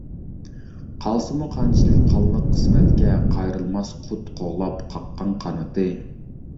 قالسىمۇ قانچىلىك قانلىق قىسمەتكە، قايرىلماس قۇت قوغلاپ قاققان قانىتى.